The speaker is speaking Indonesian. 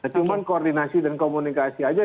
cuma koordinasi dan komunikasi aja